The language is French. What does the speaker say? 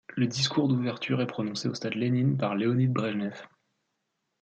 Le discours d’ouverture est prononcé au stade Lénine par Léonid Brejnev.